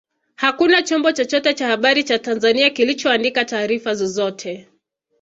Hakuna chombo chochote cha habari cha Tanzania kilichoandika taarifa zozote